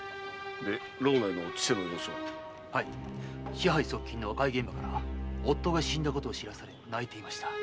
支配側近の赤井から夫が死んだことを知らされ泣いていました。